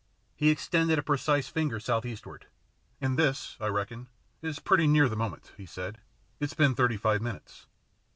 He extended a precise finger south eastward. " And this, I reckon, is pretty nearly the moment," he said. " He's been thirty five minutes."